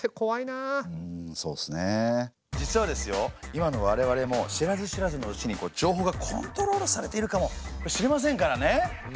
今の我々も知らず知らずのうちに情報がコントロールされているかもしれませんからね。